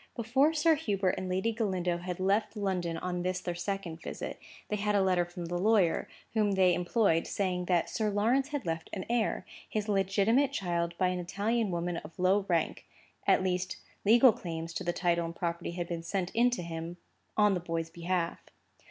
Before Sir Hubert and Lady Galindo had left London on this, their second visit, they had a letter from the lawyer, whom they employed, saying that Sir Lawrence had left an heir, his legitimate child by an Italian woman of low rank; at least, legal claims to the title and property had been sent into him on the boy's behalf.